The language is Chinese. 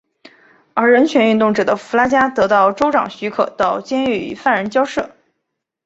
而人权运动者的弗拉加得到州长许可到监狱与犯人交涉。